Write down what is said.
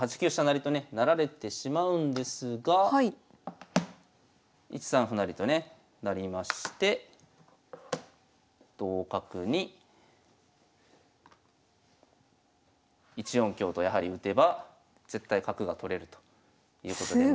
成とね成られてしまうんですが１三歩成とねなりまして同角に１四香とやはり打てば絶対角が取れるということで。